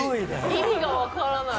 意味がわからない。